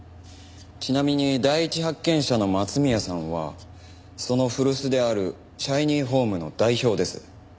ちなみに第一発見者の松宮さんはその古巣であるＳｈｉｎｙｈｏｍｅの代表です。